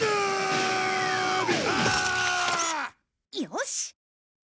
よし！